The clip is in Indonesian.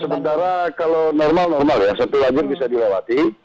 sementara kalau normal normal ya satu lajur bisa dilewati